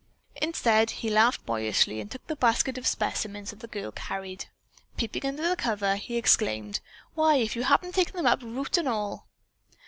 Instead, he laughed boyishly, and took the basket of specimens that the girl carried. Peeping under the cover, he exclaimed: "Why, if you haven't taken them up, root and all."